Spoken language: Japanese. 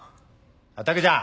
武ちゃん。